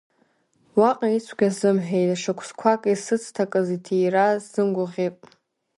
Уаҟа ицәгьа сзымҳәеит, шықәсқәак исыцҭакыз иҭира сзымгәаӷьит.